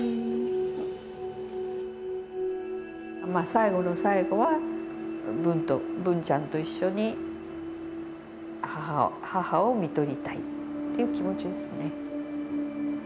最期の最期は文と文ちゃんと一緒に母を看取りたい。っていう気持ちですね。